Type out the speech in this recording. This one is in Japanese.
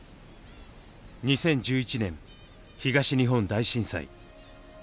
２０１１年東日本大震災。